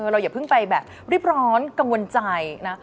อย่าเพิ่งไปแบบรีบร้อนกังวลใจนะ